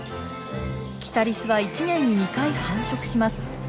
キタリスは１年に２回繁殖します。